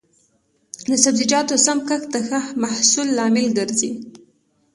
د سبزیجاتو سم کښت د ښه محصول لامل ګرځي.